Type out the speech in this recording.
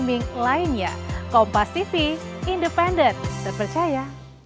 kita taat terhadap kurangan dan jubis terima kasih